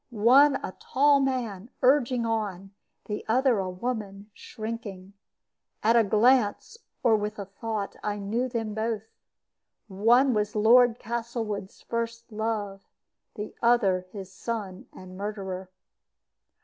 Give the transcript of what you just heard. One a tall man, urging on, the other a woman shrinking. At a glance, or with a thought, I knew them both. One was Lord Castlewood's first love, the other his son and murderer.